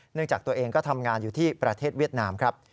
จากตัวเองก็ทำงานอยู่ที่ประเทศเวียดนามครับ